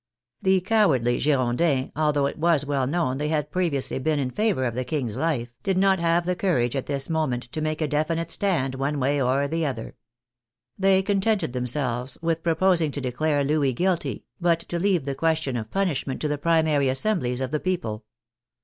The cowardly Girondins, although it was well known they had previously been in favor of the King's life, did not have the courage at this moment to make a definite stand one way or the other. They contented themselves with proposing to declare Louis guilty, but to leave the question of punishment to the primary assemblies of the people.